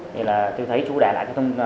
thì là tôi thấy chú để lại cái thông